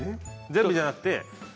全部じゃなくてね。